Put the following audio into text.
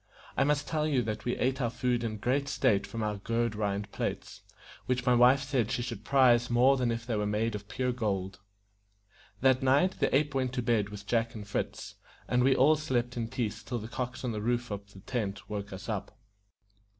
I must tell you that we ate our food in great state from our gourd rind plates, which my wife said she should prize more than if they were made of pure gold. That night the ape went to bed with Jack and Fritz, and we all slept in peace till the cocks on the roof of the tent woke us up.